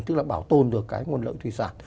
tức là bảo tồn được nguồn lượng thủy sản